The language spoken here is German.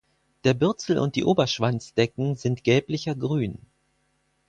Der Bürzel und die Oberschwanzdecken sind gelblicher grün.